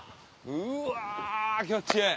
うわ気持ちええ。